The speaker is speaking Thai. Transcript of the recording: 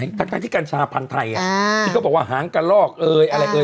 แต่ตั้งแต่ที่กญชาผันไทยอ่ะที่เขาบอกว่าหางกะโลกอะไร